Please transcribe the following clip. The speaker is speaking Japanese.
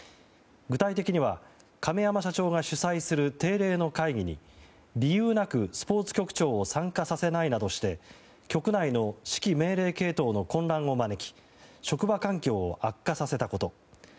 具体的には、亀山社長が主催する定例の会議に理由なくスポーツ局長を参加せないなどして局内の指揮命令系統の混乱を招き職場環境を悪化させたこと。